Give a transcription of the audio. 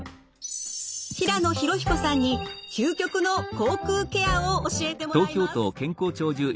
平野浩彦さんに究極の口腔ケアを教えてもらいます。